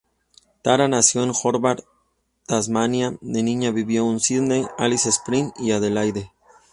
Tara nació en Hobart, Tasmania, de niña vivió en Sídney, Alice Springs y Adelaide.